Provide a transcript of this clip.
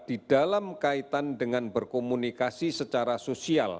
di dalam kaitan dengan berkomunikasi secara sosial